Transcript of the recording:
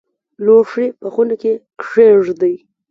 لوښي په خونه کې کښېږدئ